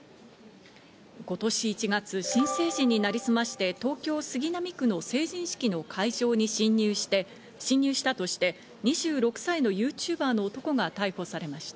今年１月、新成人に成りすまして、東京・杉並区の成人式の会場に侵入したとして、２６歳のＹｏｕＴｕｂｅｒの男が逮捕されました。